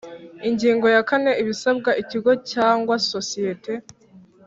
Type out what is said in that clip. Ingingo ya kane Ibisabwa ikigo cyangwa sosiyete